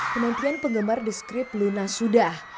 penampian penggemar the scrip luna sudah